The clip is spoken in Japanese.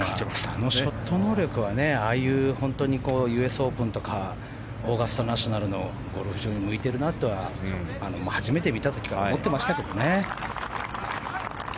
あのショット能力はああいう、本当にＵＳオープンとかオーガスタナショナルのゴルフ場に向いているなと初めて見た時から思ってましたけどね。